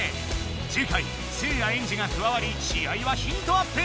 次回せいやエンジが加わりし合はヒートアップ！